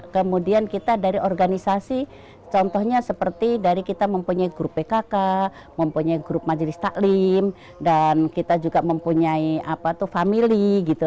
kemudian kita dari organisasi contohnya seperti dari kita mempunyai grup pkk mempunyai grup majelis taklim dan kita juga mempunyai apa itu family gitu